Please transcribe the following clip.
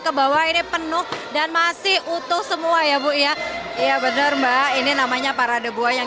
ke bawah ini penuh dan masih utuh semua ya bu ya iya bener mbak ini namanya parade buah yang